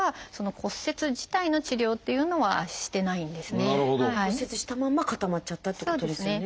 骨折したまんま固まっちゃったっていうことですよね。